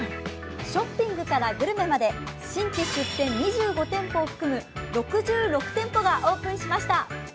ショッピングからグルメまで新規出店２５店舗を含む６６店舗がオープンしました。